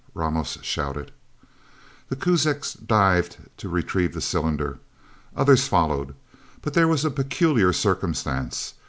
Ramos shouted. The Kuzaks dived to retrieve the cylinder. Others followed. But there was a peculiar circumstance.